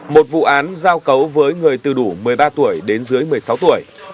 một vụ án giao cấu với người từ đủ một mươi ba tuổi đến dưới một mươi sáu tuổi